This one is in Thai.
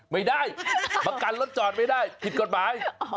ไม่ได้ประกันรถจอดไม่ได้ผิดกฎหมาย